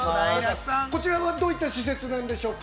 ◆こちらはどういった施設なんでしょうか。